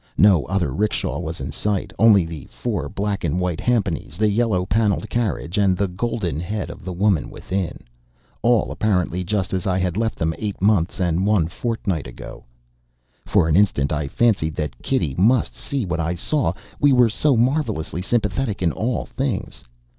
No other 'rickshaw was in sight only the four black and white jhampanies, the yellow paneled carriage, and the golden head of the woman within all apparently just as I had left them eight months and one fortnight ago! For an instant I fancied that Kitty must see what I saw we were so marvelously sympathetic in all things.